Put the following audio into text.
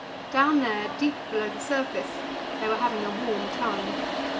Down there, deep below the surface, they were having a warm time.